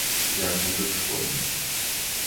Я ж мужык шкодны.